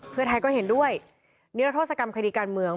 เพื่อไทยก็เห็นด้วยนิรโทษกรรมคดีการเมือง